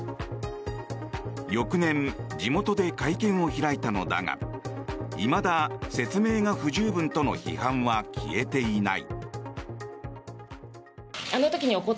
翌年、地元で会見を開いたのだがいまだ説明が不十分との批判は消えていない。